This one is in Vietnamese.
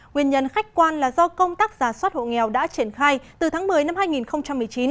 nguyên nhân khách quan là do công tác giả soát hộ nghèo đã triển khai từ tháng một mươi năm hai nghìn một mươi chín